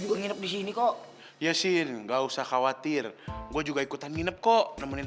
juga nginep di sini kok yasin enggak usah khawatir gue juga ikutan nginep kok nemenin